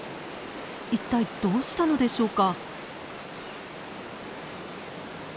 いったいどうしたのでしょうか？